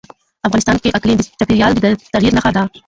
افغانستان کې اقلیم د چاپېریال د تغیر نښه ده.